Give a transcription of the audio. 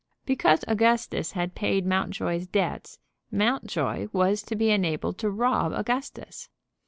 Because Augustus had paid Mountjoy's debts Mountjoy was to be enabled to rob Augustus!